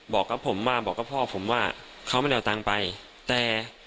บอกกับผมมาบอกกับพ่อผมว่าเขาไม่ได้เอาตังค์ไปแต่